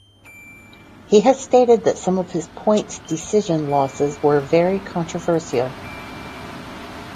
He has stated that some of his points decision losses were "very controversial".